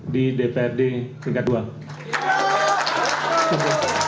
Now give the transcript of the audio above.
di dprd tingkat dua